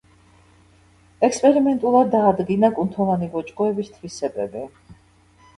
ექსპერიმენტულად დაადგინა კუნთოვანი ბოჭკოების თვისებები.